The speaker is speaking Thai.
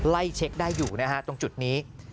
ไล่เช็คได้อยู่นะฮะตรงจุดนี้